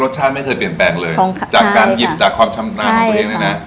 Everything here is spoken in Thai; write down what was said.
ชาติไม่เคยเปลี่ยนแปลงเลยจากการหยิบจากความชำนาญของตัวเองเนี่ยนะ